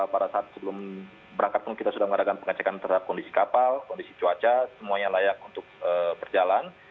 pada saat sebelum berangkat pun kita sudah mengadakan pengecekan terhadap kondisi kapal kondisi cuaca semuanya layak untuk berjalan